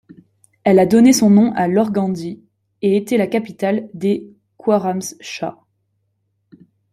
Elle a donné son nom à l'organdi et était la capitale des Khwârazm-Shahs.